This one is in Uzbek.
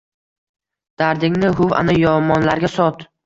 Dardingni huv ana yomonlarga sot